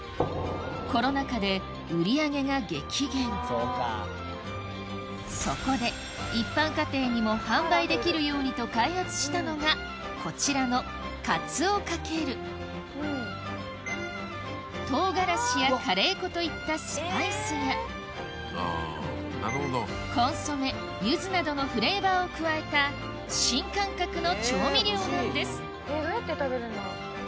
もともとそこで一般家庭にも販売できるようにと開発したのがこちらのカツオカケル唐辛子やカレー粉といったスパイスやコンソメゆずなどのフレーバーを加えた新感覚の調味料なんですどうやって食べるんだろう？